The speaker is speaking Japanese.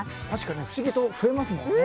不思議と増えますもんね。